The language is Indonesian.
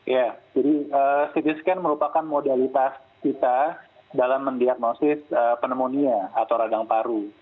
ya jadi ct scan merupakan modalitas kita dalam mendiagnosis pneumonia atau radang paru